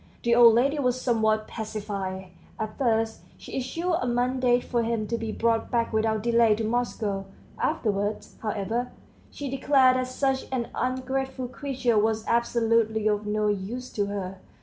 The old lady was somewhat pacified; at first she issued a mandate for him to be brought back without delay to Moscow; afterwards, however, she declared that such an ungrateful creature was absolutely of no use to her.